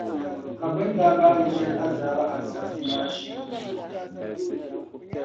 ka bɛ ni daa maandi shɛli azaaba ansarsi maa shee bɛ zuɣu.